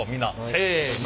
せの。